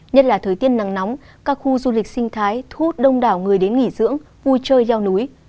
nhất là thời tiết nắng nóng các khu du lịch sinh thái thu hút đông đảo người đến nghỉ dưỡng vui chơi leo núi